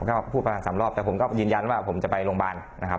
ก็พูดประมาณ๓รอบแต่ผมก็ยืนยันว่าผมจะไปโรงพยาบาลนะครับ